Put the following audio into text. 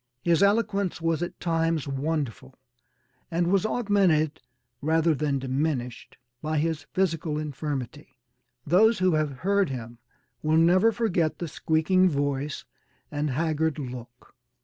His eloquence was at times wonderful, and was augmented rather than diminished by his physical infirmity. Those who have heard him will never forget the squeaking voice and haggard look.